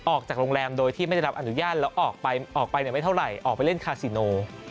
ออกจากโรงแรมโดยที่ไม่ได้รับอนุญาตแล้วออกไปออกไปไม่เท่าไหร่ออกไปเล่นคาซิโน